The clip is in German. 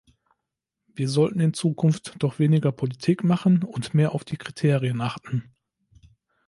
Wir sollten in Zukunft doch weniger Politik machen und mehr auf die Kriterien achten.